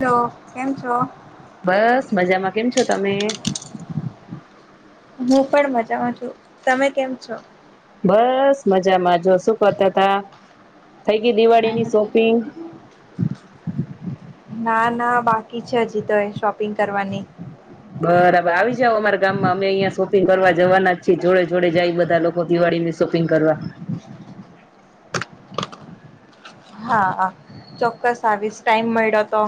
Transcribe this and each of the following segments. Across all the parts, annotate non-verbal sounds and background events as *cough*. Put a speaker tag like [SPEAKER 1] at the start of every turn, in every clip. [SPEAKER 1] Hello કેમ છો?
[SPEAKER 2] બસ મજામાં કેમ છો તમે?
[SPEAKER 1] હું પણ મજામાં છું તમે કેમ છો?
[SPEAKER 2] બસ મજામાં. જો શું કરતા હતા? થઈ ગઈ દિવાળીની શોપિંગ?
[SPEAKER 1] ના-ના બાકી છે હજી તો એ શોપિંગ કરવાની.
[SPEAKER 2] બરાબર આવી જાવ અમારા ગામમાં અમે અહિયાં શોપિંગ કરવા જવાના જ છીએ જોડે-જોડે જાય બધા લોકો દિવાળીમાં શોપિંગ કરવા.
[SPEAKER 1] હા-હા ચોક્કસ આવીશ ટાઈમ મળ્યો તો.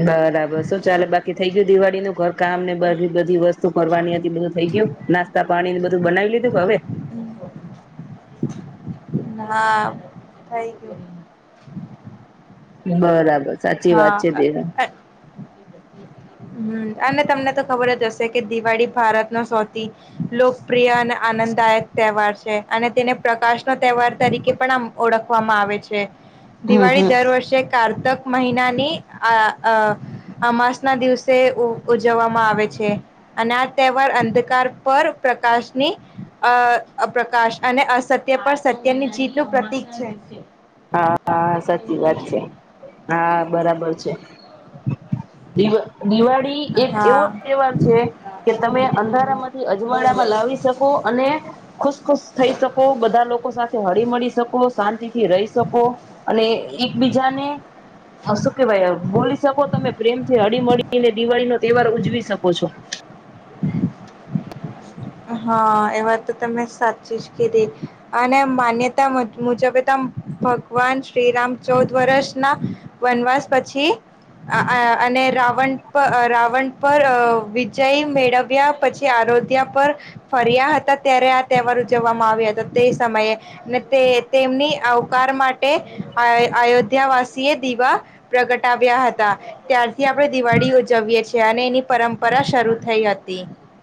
[SPEAKER 2] બરાબર શું ચાલે બાકી થઈ ગયું દિવાળીનું ઘર કામને બધી-બધી વસ્તુ કરવાની હતી બધું થઈ ગયું. નાસ્તા પાણી બધું બનાવી લીધું કે હવે?
[SPEAKER 1] હા થઈ ગયું.
[SPEAKER 2] બરાબર. સાચી વાત છે દેર
[SPEAKER 1] હા હમ અને તમને તો ખબર જ હશે કે દિવાળી ભારતનો સૌથી લોકપ્રિય અને આનંદદાયક તહેવાર છે અને તેને પ્રકાશનો તહેવાર તરીકે પણ આમ ઓળખ વામાં આવે છે.
[SPEAKER 2] હમ
[SPEAKER 1] દિવાળી
[SPEAKER 2] હમ
[SPEAKER 1] દર વર્ષે કાર કારતક મહિનાની આ અ અમાસના દિવસે તે ઉજવવામાં આવે છે. અને આ તહેવાર અંધકાર પર પ્રકાશની અ પ્રકાશ અને અસત્ય પર સત્યની જીતનું પ્રતિક છે.
[SPEAKER 2] હા-હા સાચી વાત છે. હા. બરાબર છે દિવસ દિવાળી એક એવો
[SPEAKER 1] હા.
[SPEAKER 2] તહેવાર છે કે તમે અંધારામાંથી અજવાડાામાં લાવી શકો અને ખુશ-ખુશ થઈ શકો બધા લોકો સાથે હળી મળળી શકો શાંતિ થી રહી અને એકબીજાને શું કેવાય બોલી શકો તમે પ્રેમ થી હળી હળી મળી ને દિવાળી નો તહેવાર ઉજવી શકો છો.
[SPEAKER 1] હા એ વાત તો તમે સાચી જ કીધી. અને માન્યતા મુજબતમ ભગવાન શ્રીરામ ચૌદ વર્ષ ના વનવાસ પછી અને રાવણ પર રાવણ પર વિજય મેળવ્યા પછી આરોધ્યા પર ફર્યા હતા ત્યારે આ તહેવાર ઉજવવામાં આવ્યા હતા. તે સમયે અને તે તેમની આવકાર માટે અયોધ્યાવાસી એ દીવા પ્રગટાવ્યા હતા. ત્યારથી આપણે દિવાળી ઉજવીએ છીએ અને એની પરંપરા શરૂ થઈ હતી.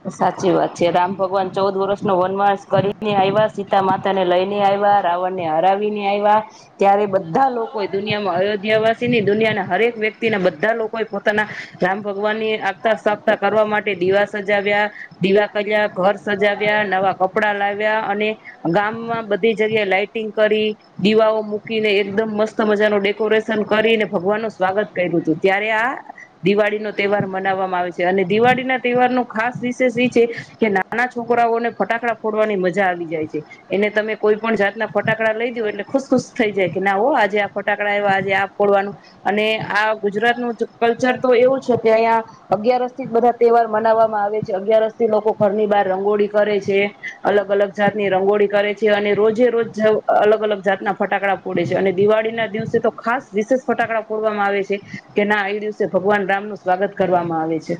[SPEAKER 2] સાચી વાત. છે રામ ભગવાન ચૌદ વર્ષ નો વનવાસ કરીને આવ્યાસ સીતા માતા ને લઈ ને આવ્યા. રાવણ ને હરાવીને આવ્યા. ત્યારે બધા બધા લોકોએ દુનિયામાં અયોધ્યાવાસી ની દુનિયાના હરેક વ્યક્તિ વ્યક્તિ બધા લોકો એ પોતાના રામ ભગવાન ની આગતા સાફતા કરવા માટે દીવાસ જ જીવ્યા દિવા કર્યા ઘર સજાવ્યા નવા કપડા લાવ્ વ્યા અને ગામમાં બધી જગ્યાએ લાાઈટિંગ કરી દીવાઓ મૂકીને એકદમ મસ્ત મજા ન ડેકોરેશન કરીને ભગવાન નું સ્વાગત કર્યું હતું. ત્યારે આ દિવાળી નો તહેવાર મનાવવામાં આવે છે. અને દિવાળી ના તહેવાર નુ ખાસ વિષેશ ઈ છે કે નાના છોકરાઓને ફટાકડા ફોડવાની મજા આવી જાય છે. એને તમે કોઈ પણ જાત ના ફટાકડા લઈ દ એટલે ખુશ-ખુશ થઈ જાય કે ના હો આજે આ ફટાકડા આવવા આજે આ ફોડવાનું અને આ ગુજરાતનું કલ્ચર તો એવું છે કે અહીંયા અગિયારસથી બધા તહેવાર મનાવા વા આવે છે અગિયારસ થી લોકો ઘરની બહાર રંગોળી કરે છે. અલગ-અલગ જાતની રંગોળી કરે છે. અને રોજે-રોજ જવ અલગ-અલગ જાત ના ફટાકડા ફોડે છે. અને દિવાળી ના દિવસે તો ખાસ વિશેષ ફટાકડા ફોડવામાં આવે છે, કે ના એ દિવસે ભગવાન રામ નું સ્વાગત કરવામાં આવે છે.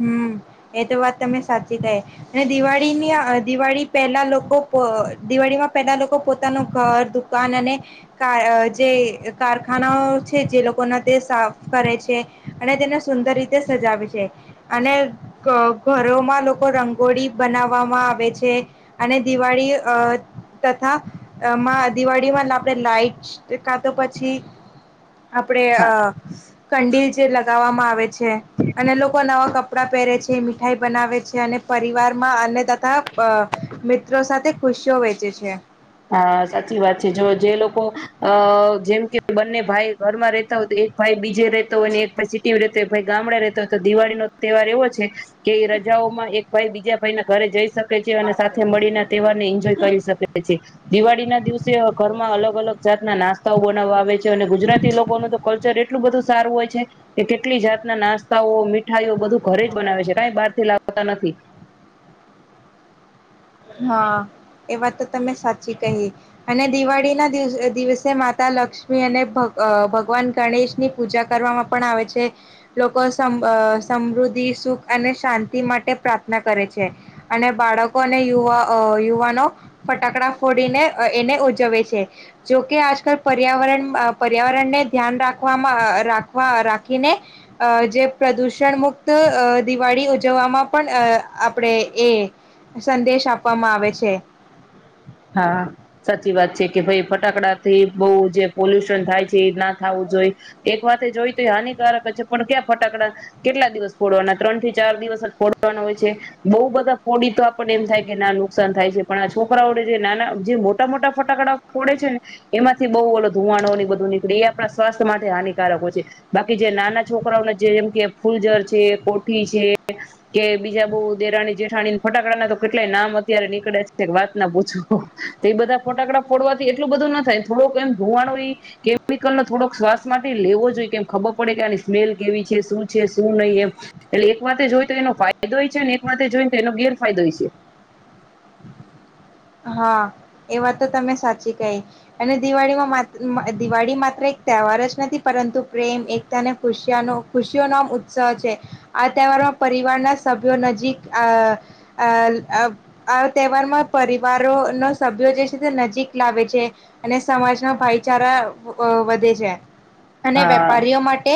[SPEAKER 1] હમ્મ એ તો વાત તમે સાચી કહી અને દિવાળીની દિવાળી પહેલા લોકો દિવાળીમાં પહેલા લોકો પોતાનું ઘર દુકાન અને કા જે કારખાનાઓ છે જે લોકોના તે સાફ કરે છે અને તેને સુંદર રીતે સજાવે છે. અને ઘ ઘ ઘરોમાં લોકો રંગોળી બનાવવામાં આવે છે. અને દિવાળી અ તથા અ મા દિવાળીમાં આપણે લાાઈટ કા તો પછી આપણે અ કંડીલ જે લગાવવામાં આવે છે. અને લો અ કપડાં પહેરે છે, મીઠાઈ બનાવે છે, અને પરિવારમાં અને તથા મિત્રો સાથે ખુશીઓ વેચે છે.
[SPEAKER 2] હા સાચી વાત છે. જો જે લોકો અ જેમ કે બંને ભાઈ ઘરમાં રતા હોય તો એક ભાઈ બીજે રતો હોય એક ભાઈ સિટી રતો હોય ભાઈ ગામડા રતા હોય તો દિવાળી ન તહેવાર એવો છે કે રજાઓમાં એક ભાઈ બીજા ભાઈ ના ઘરે જઈ શક ક છે. અને સાથે મળીને તહેવાર ને એન્જોય કરી શકે છે. દિવાળી ના દિવસે ઘરમાં અલગ-અલગ જાતના નાસ્તાઓ બનાવવા આવે છે. અને ગુજરાતી લોકોનું તો કલ્ચર એટલું બધું સારું હોય છે કે કેટલી જાતના નાસ્તાઓ મ મીઠાઈઓ બધું ઘરે જ બનાવે છે. કઈ બાર થી લાવતા નથી.
[SPEAKER 1] હા એ વાત તો તમે સાચી કહી અને દિવાળી ના દિવ દિવસે માતા લક્ષ્મી અને ભ ભગવાન ગણેશની પૂજા કરવામાં પણ આવે છે. લોકો સમ સમૃદ્ધિ, સુખ અને શાંતિ માટે પ્રાર્થના કરે છે અને બાળકો યુવા યુવાનો ફટાકડા ફોડીને એને ઉજવે છે. જોકે આજકાલ પર્યાવરણ પર્યાવરણને ધ્યાન રાખવામાં રાખવા રાખીને જે પ્રદુષણ મુક્ત દિવાળી ઉજવવામાં પણ આપણે એ સંદેશ આપવામાં આવે છે.
[SPEAKER 2] હા સાચી વાત છે. કે ભાઈ ફટાકડાથી બહુ જે પોલ્યુશન થાય છે. ના થવું જોઈ એક વાત જોઈ તો એ હાનિકારક જ છે પણ ક્યાં ફટાકડા કેટલા દિવસ ફોડવાના ત્રણ થી ચાર દિવસ જ ફોડવાના હોય છે, બહુ બધા ફોડી તો આપણને એમ થાય કે ના નુકસાન થાય છે પણ આ છોકરાઓડે જે મોટા મોટા ફટાકડા ફોડે છે ને એમાંથી બહુ ઓલો ધુવાણોની બધું નીકળે એ આપણા સ્વાસ્થ્ય માટે હાનિકારક હો છે બાકી જે નાના છોકરાઓને જેમ કે ફૂલજર છે, કોઠી છે, કે બીજા બહ દેરાની જેઠાણી ફટાકડા ના તો કેટલાય નામ અત્યારે નીકળે છે વાતના તો એ બધા ફટાકડા ફોડવાથી એટલું બધું ના થાય થોડોક એમ ધુમાડો એ કેમિકલો થોડોક શ્વાસ માટે લેવો જોઈએ કેમ ખબર પડે કે આની સ્મેલ કેવી છે. શું છે? શું નહીં? એમ એટલે એક વાથે જોઈ તો એનો ફાયદો છે એક વાથે જોઈને તો એનો ગેરફાયદોય છે.
[SPEAKER 1] હા એ વા તો તમે સાચી કહી અને દિવાળીમાં મા દિવાળી માત્ર એક તહેવાર જ નથી પરંતુ પ્રેમ, એકતા અને ખુશનો ખુશીઓનો આમ ઉત્સવ છે. આ તહેવારમાં પરિવારના સભ્યો નજીક આ આ અ આ તહેવારમાં પરિ વારો નો સભ્યો જે છે તે નજીક લાવે છે અને સમાજનો ભાઈચારા વધે છે. અને
[SPEAKER 2] હા
[SPEAKER 1] વેપારીઓ માટે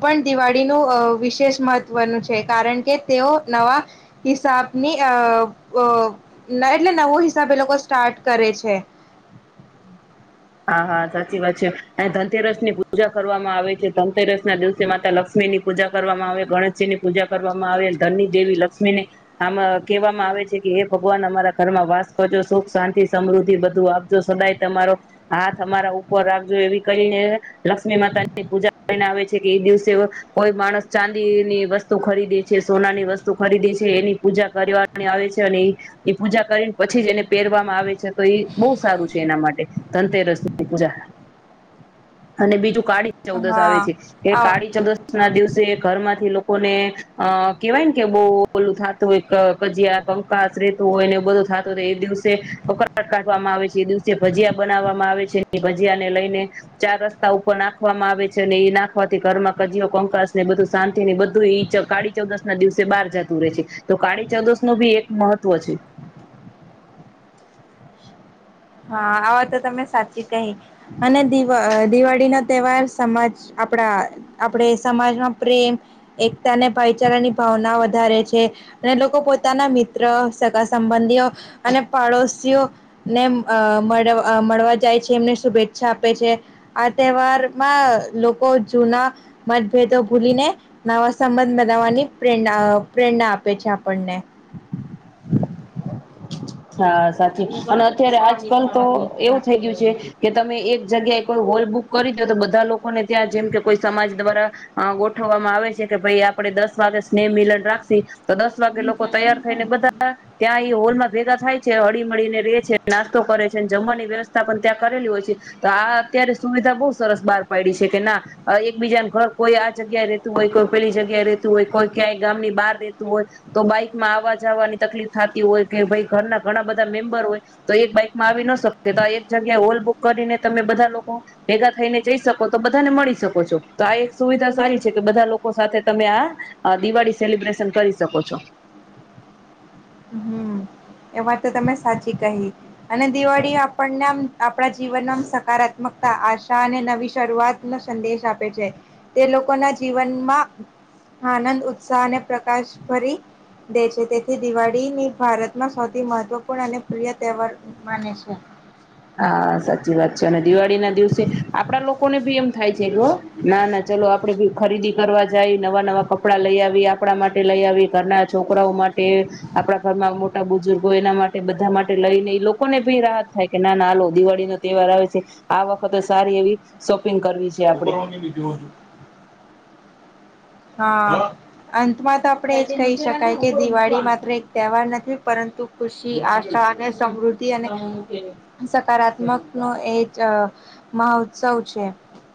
[SPEAKER 1] પણ દિવાળીનું વિશેષ મહત્વનું છે કારણ કે તેઓ નવા હિસાબની અ અ અ એટલે નવો હિસાબે એ લોકો સ્ટાર્ટ કરે છે.
[SPEAKER 2] હા હા સાચી વાત છે, ધનતેરસ ની પૂજા કરવામાં આવે છે, ધનતેરસ ના દિવસે માતા લક્ષ્મી ની પૂજા કરવામાં આવે ગણેશજી ની પૂજા કરવામાં આવે, ધનની દેવી લક્ષ્મીને આમાં કહેવામાં આવે છે કે એ ભગવાન અમારા ઘરમાં વાસ કરજો સુખ શાંતિ સમૃદ્ધિ બધું આપજો સદાય તમારો હાથ અમારા ઉપર રાખજો એવી કરીને લક્ષ્મી માતાની પૂજા કરીને આવે છે કે એ દિવસે કોઈ માણસ ચાંદીની વસ્તુ ખરીદે છે, સોના ની વસ્તુ ખરીદે છે, એની પૂજા કરવાની આવે છે, અને એ પૂજા કરીને પછી જ એને પહેરવામાં આવે છે તો એ બહુ સારું છે એના માટે. ધનતેરસની પૂજા અને બીજું કાળી. ચૌદશ
[SPEAKER 1] હા
[SPEAKER 2] આવે છે એ
[SPEAKER 1] આ વાત
[SPEAKER 2] કાળી
[SPEAKER 1] તો છે.
[SPEAKER 2] ચૌદશ ના દિવસે ઘર માંથી લોકોને અ કેવાય ને કે બહ ઓલું થતું હોય કજીયા, કંકાસ, રેતું હોય ને બધું થતું હોય એ દિવસે પકડ કાઢવામાં આવે છે એ દિવસે ભજીયા. બનાવવામાં આવે છે. ભજીયા ને લઈને ચાર રસ્તા ઉપર નાખવામાં આવે છે અને એ નાખવાથી ઘરમાં કજીઓ, કંકશ ને બધું શાંતિ ને બધું કાળી ચૌદશ ના દિવસે બહાર જતું રહે છે તો કાળી ચૌદશ નું ભી એક મહત્વ છે.
[SPEAKER 1] હા આ વા તો તમે સાચી કહી અને દ દિવાળી નો તહેવાર સમાજ આપણા આપણે સમાજમાં પ્રેમ એકતા અને ભાઈચારાની ભાવના વધારે છે અને લોકો પોતાના મિત્ર સગા સંબંધીઓ અને પાડોશઓને. અ મળ મળવા જાય છે એમને શુભેચ્છા આપે છે આ તહેવારમાં લોકો જૂના મતભેદો ભૂલીને નવા સંબંધ મેનાવવાની પ્રેણા પ્રેરણા આપે છે આપણને.
[SPEAKER 2] હા સાચી અને અત આજકાલ તો એવું થઈ ગયું છે, કે તમે એક જગ્યાએ કોઈ હોલ બુક કરી દે તો બધા લોકોને ત્યાં જેમ કે કોઈ સમાજ દ્વારા અ ગોઠવવામાં આવે છે કે ભાઈ આપણેે દસ વાગે સ્નેહ મિલન રાખશ તો દસ વાગે લોકો તૈયાર થઈ ને બધા ત્યાં એ હોલ માં થાય છે હળી મળળીને ર છે નાસ્તો કરે છે જમવાની વ્યવસ્થા પણ ત્યાં કરેલી હોય છે, તો આ અત્યારે સુવિધા બહુ સરસ બહાર પાડી છે કે ના, એક બીજાને ઘર કોઈ આ જગ્યા રેતું હોય કોઈ પેલી જગ્યાએ રહેતું હોય કોઈ ક્યાંય ગામ ની બહાર રેતું હોય, તો બાઈકમાં આવવા જવાની તકલીફ થતી હોય. કે ભાઈ ઘરના ઘણા બધા મેમ્બર હોય, તો એક બાઈકમાં આવી ન શકશે તો આ એક જગ્યા ઓલ બુક કરીને તમે બધા લોકો, ભેગા થઈને જઈ શકો તો બધાને મળી શકો છો તો આ એક સુવિધા સારી છે કે બધા લોકો સાથે તમે આ દિવાળી સેલિબ્રેશન કરી શકો છો.
[SPEAKER 1] હમ, એ વા તો તમે સાચી કહી, અને દિવાળી આપણને આપણા જીવનમાં સકારાત્મકતા આશા અને નવી શરૂઆત ન સંદેશ આપે છે, તે લોકોના જીવનમાં આનંદ ઉત્સાહ અને પ્રકાશ ભરી દે છે, તેથી દિવાળી કડીની ભારતમાં સૌથી મહત્વપૂર્ણ અને પ્રિય તહેવાર માને છે.
[SPEAKER 2] હા સાચી વાત છે અને દિવાળી ના દિવસે, આપડા લોકોને ભી એમ થાય છે ના ના ચલો આપડે બી ખરીદી કરવા જાય. નવા નવા કપડા લઈ આવી- આપણા માટે લઈ આવી ઘરના છોકરાઓ માટે, આપણા ઘરમાં મોટા બુજુર્ગો એના માટે બધા માટે લઈને લોકોને ભી રાહત થાય. કે ના નાાલ દિવાળી નો તહેવાર આવે છે, આ વખતે સારી એવી શોપિંગ કરવી છે આપણેે.
[SPEAKER 1] હા, અંતમાં તો આપણેે એજ કહી શકાય કે દિવાળી માત્ર એક તહેવાર નથી પરંતુ ખુશી આશા અને સમૃદ્ધિ અને, સકારાત્મક નો એ જ મહોત્સવ છે.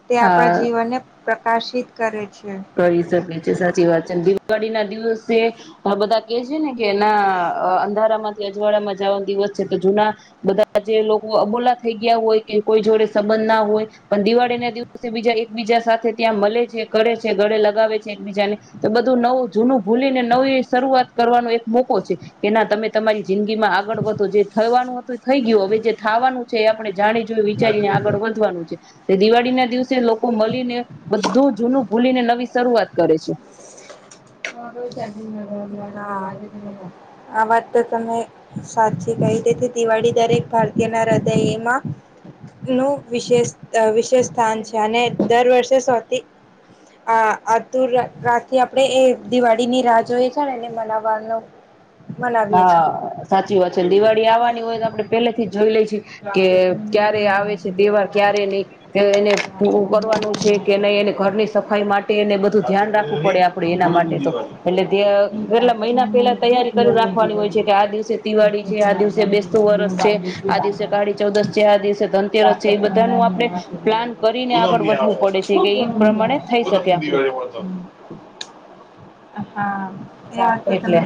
[SPEAKER 1] તે આપણા
[SPEAKER 2] હા
[SPEAKER 1] જીવનને પ્રકાશિત કરે. છે.
[SPEAKER 2] કરી શકે. છે સાચી વાત છે ને દિવાળી ના દિવસે અહ બધા કે છે ને કે એના અહ અંધારામાંથી અજવાડાામાં જવા દિવસ છે તો જુના બધા જે લોકો અબોલા થઈ ગયા હોય કે કોઈ જોડે સંબંધ ના હોય પણ દિવાળી ના દિવસે બીજા એક બીજા સાથે ત્યાં મલે છે કરે છે, ગળે લગાવે છે એકબીજાને. તો બધું નવું જૂનું ભૂલીને નવી શરૂઆત કરવાનો એક મોકો છે. તેના તમે તમારી જિંદગીમાં આગળ વધો જે થવાનું હત તો થઈ ગયું હવે જે થાવાનું છે એ આપણે જાણી જોય વિચારી ને આગળ વધવાનું છે. તે દિવાળી ના દિવસ સે લોકો મલીને બધું જૂનું નવી શરૂઆત કરે છે.
[SPEAKER 1] આ વાત તો તમે સાચી કહી. તેથી દિવાળી દરેક ભારતીય ના હૃદયમાં નું વિશેષ વિશેષ સ્થાન છે. અને દર વર્ષે સૌથી આ-આતુર રાખીએ આપણે એ દિવાળી ની રાહ જોઈએ છેને, એને મનાવાનો
[SPEAKER 2] હા, સાચી વાત છે. ને દિવાળી આવવાની હોય તો આપડે પેલેથી જ જોઈ લે કે કે ક્યારે આવે છે તહેવાર, ક્યારે નહીં. તે એને પૂરું કરવાનું છે કે, નહી એને ઘરની સફાઈ માટે એને બધું ધ્યાન રાખવું પડે આપડે એના માટે તો.
[SPEAKER 1] દિવાળી
[SPEAKER 2] એટલે દયા પેહલા મહિના પેલા તૈયારી કરી રાખ ફરની હોય છે કે, આ દિવસે દિવાળી છે, આ દિવસે બેસતુ વરસ છે. આ દિવસ કાળી ચૌદશ છે, આ દિવસે ધનતેરસ છે એ બધાનું આપડે પ્લાન કરીને આગળ
[SPEAKER 1] પૂનમની આવે
[SPEAKER 2] વધવું પડે છે કે ઈ પ્રમાણે થઈ શકે
[SPEAKER 1] પૂનમની
[SPEAKER 2] આપણું.
[SPEAKER 1] દિવાળી મળતો અ *inaudible*
[SPEAKER 2] એટલે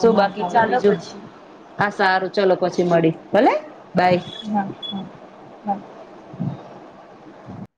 [SPEAKER 2] શું બાકી કિયો
[SPEAKER 1] ચાલો
[SPEAKER 2] બીજું.
[SPEAKER 1] પછી
[SPEAKER 2] હા, સારું ચલો પછી મળી મળ્યે, ભલે. બાય
[SPEAKER 1] *inaudible* હા *inaudible*